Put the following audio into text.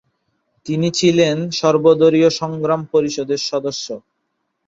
তিনি ছিলেন সর্বদলীয় সংগ্রাম পরিষদের সদস্য।